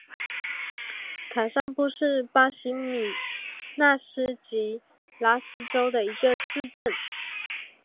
卡尚布是巴西米纳斯吉拉斯州的一个市镇。